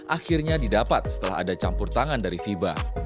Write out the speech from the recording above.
akhirnya didapat setelah ada campur tangan dari fiba